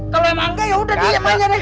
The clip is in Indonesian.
kalo emang gak yaudah dijemahin aja deh